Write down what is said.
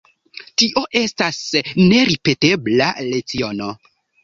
Tio estas neripetebla leciono.